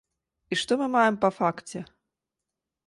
І што мы маем па факце?